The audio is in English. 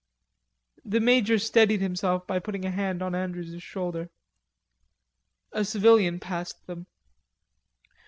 The major steadied himself by putting a hand on Andrews' shoulder. A civilian passed them.